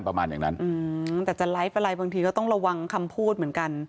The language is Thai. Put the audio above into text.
ประมาณอย่างนั้นแต่จะไลฟ์อะไรบางทีก็ต้องระวังคำพูดเหมือนกัน